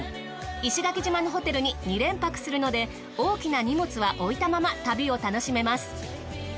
石垣島のホテルに２連泊するので大きな荷物は置いたまま旅を楽しめます。